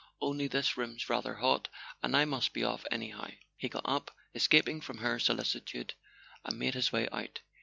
Only this room's rather hot— and I must be off anyhow." He got up, escaping from her solicitude, and made his way out.